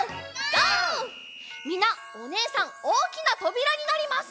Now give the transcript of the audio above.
みんなおねえさんおおきなとびらになります。